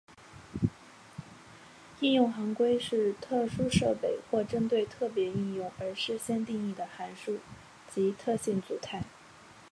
应用行规是特殊设备或针对特别应用而事先定义的函数及特性组态。